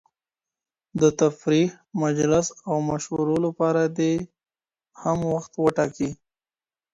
د تفريح، مجلس او مشورو لپاره دي هم وخت وټاکي.